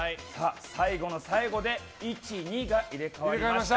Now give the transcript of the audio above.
最後の最後で１、２が入れ替わりました。